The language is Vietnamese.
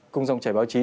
cùng dòng chảy báo chí